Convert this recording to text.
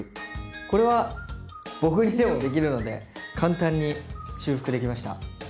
これは僕にでもできるので簡単に修復できました。